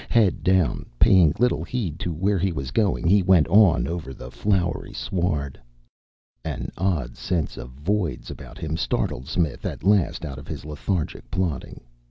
Head down, paying little heed to where he was going, he went on over the flowery sward. An odd sense of voids about him startled Smith at last out of his lethargic plodding.